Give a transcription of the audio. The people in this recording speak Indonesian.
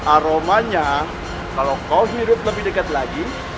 aromanya kalau kau hirup lebih dekat lagi